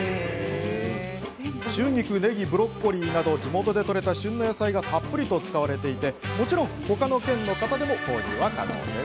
春菊、ねぎ、ブロッコリーなど地元で取れた旬の野菜がたっぷりと使われていてもちろん他の県の方でも購入可能です。